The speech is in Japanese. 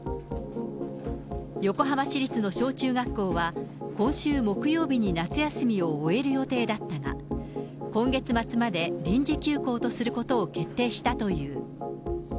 横浜市立の小中学校は、今週木曜日に夏休みを終える予定だったが、今月末まで臨時休校とすることを決定したという。